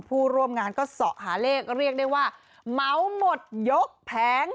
ผู้ร่วมงานก็เสาะหาเลขเรียกได้ว่าเมาหมดยกแผง